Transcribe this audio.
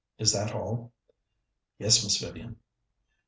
Is that all?" "Yes, Miss Vivian."